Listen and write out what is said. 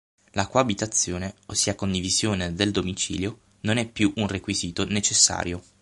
La coabitazione, ossia condivisione del domicilio, non è più un requisito necessario.